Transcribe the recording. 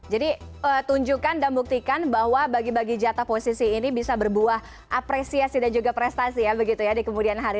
jadi tunjukkan dan buktikan bahwa bagi bagi jatah posisi ini bisa berbuah apresiasi dan juga prestasi ya begitu ya di kemudian hari